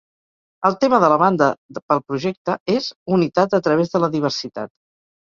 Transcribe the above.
El tema de la banda pel projecte és "Unitat a través de la Diversitat".